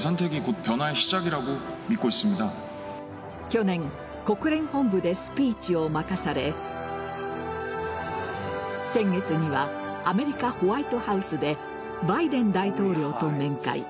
去年国連本部でスピーチを任され先月にはアメリカ・ホワイトハウスでバイデン大統領と面会。